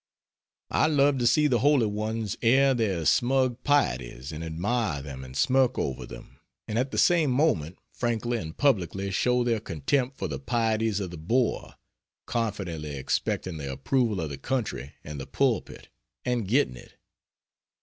I love to see the holy ones air their smug pieties and admire them and smirk over them, and at the same moment frankly and publicly show their contempt for the pieties of the Boer confidently expecting the approval of the country and the pulpit, and getting it.